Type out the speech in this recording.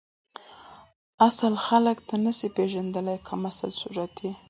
اصل خلک ته نسی پیژندلی کمسل صورت یی